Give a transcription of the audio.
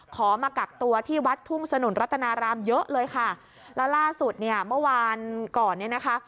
มากักตัวที่วัดทุ่งสนุนรัตนารามเยอะเลยค่ะแล้วล่าสุดเนี่ยเมื่อวานก่อนเนี่ยนะคะ